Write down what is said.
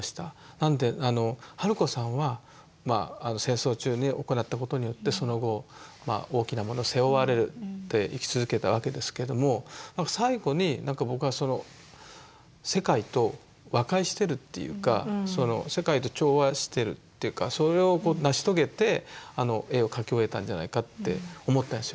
なので春子さんは戦争中におこなったことによってその後大きなものを背負われて生き続けたわけですけども最後になんか僕はその世界と和解してるっていうか世界と調和してるっていうかそれを成し遂げてあの絵を描き終えたんじゃないかって思ったりします。